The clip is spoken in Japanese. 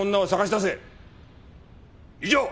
以上！